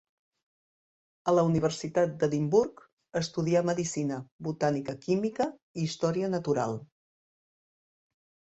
A la Universitat d'Edimburg estudià medicina, botànica química i història natural.